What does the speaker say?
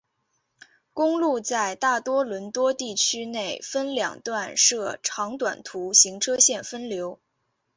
公路在大多伦多地区内分两段设长短途行车线分流。